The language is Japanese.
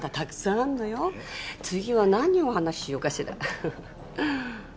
次は何をお話ししようかしら？